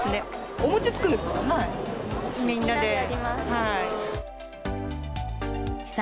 お餅つくんですか？